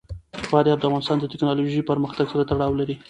فاریاب د افغانستان د تکنالوژۍ پرمختګ سره تړاو لري.